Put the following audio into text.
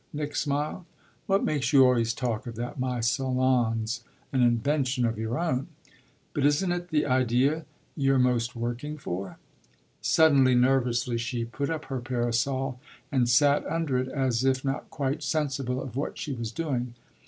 Nick smiled. "What makes you always talk of that? My salon's an invention of your own." "But isn't it the idea you're most working for?" Suddenly, nervously, she put up her parasol and sat under it as if not quite sensible of what she was doing.